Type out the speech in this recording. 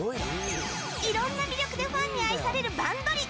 いろんな魅力でファンに愛される「バンドリ！」。